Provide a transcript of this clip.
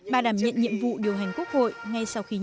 bà đảm nhận nhiệm vụ điều hành quốc hội